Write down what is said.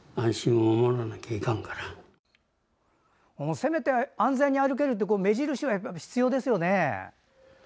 せめて、安全に歩ける目印は必要ですよね。